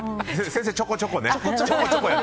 先生、ちょこちょこね。